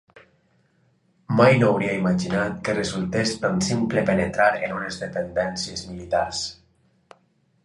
Mai no hauria imaginat que resultés tan simple penetrar en unes dependències militars.